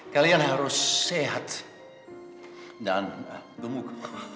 kalian harus sehat dan gemuk